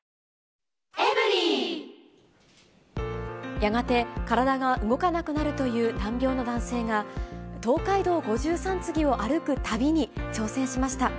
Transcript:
やがて体が動かなくなるという難病の男性が、東海道五十三次を歩く旅に挑戦しました。